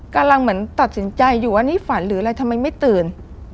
กำลังเหมือนตัดสินใจอยู่ว่านี่ฝันหรืออะไรทำไมไม่ตื่น